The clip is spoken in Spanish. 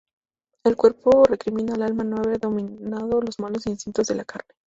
El cuerpo recrimina al alma no haber dominado los malos instintos de la carne.